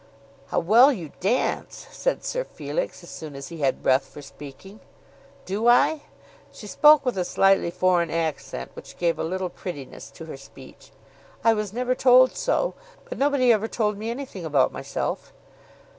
"How well you dance," said Sir Felix, as soon as he had breath for speaking. "Do I?" She spoke with a slightly foreign accent, which gave a little prettiness to her speech. "I was never told so. But nobody ever told me anything about myself."